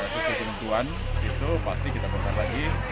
kita akan menetapkan itu pasti kita bongkar lagi